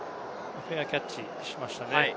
フェアキャッチしましたね。